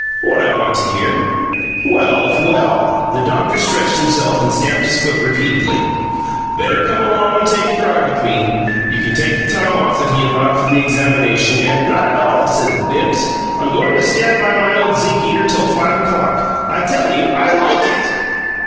"What I want to hear." "Well, well!" The doctor stretched himself and stamped his foot repeatedly. "Better come along and take a drive with me. You can take the time off that he allowed for the examination, and " "Not at all," said Bibbs. "I'm going to stand by my old zinc eater till five o'clock. I tell you I LIKE it!"